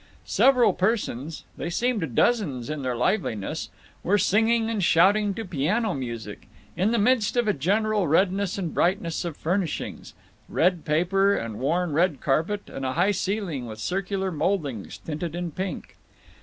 Several persons [they seemed dozens, in their liveliness] were singing and shouting to piano music, in the midst of a general redness and brightness of furnishings—red paper and worn red carpet and a high ceiling with circular moldings tinted in pink.